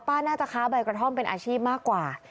น่าจะค้าใบกระท่อมเป็นอาชีพมากกว่า